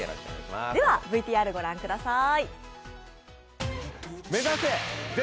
ではＶＴＲを御覧ください。